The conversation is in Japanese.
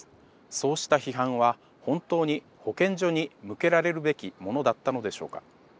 そうした批判は本当に保健所に向けられるべきものだったのでしょうか？